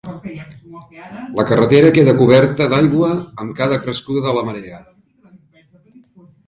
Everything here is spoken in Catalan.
La carretera queda coberta d'aigua amb cada crescuda de la marea.